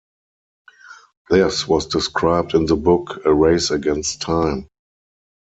This was described in the book "A Race Against Time".